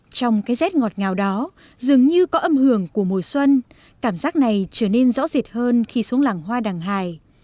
trong cái rét ngọt ngào đó dường như có âm hưởng của mùa xuân cảm giác này trở nên rõ rệt hơn khi xuống làng hoa đằng hải